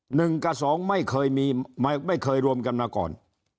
หนึ่งกับสองไม่เคยรวมกันมาก่อน